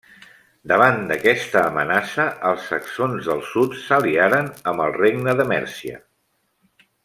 Davant d'aquesta amenaça, els saxons del sud s'aliaren amb el regne de Mèrcia.